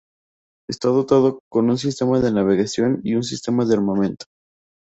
Está dotado con un sistema de navegación y un sistema de armamento.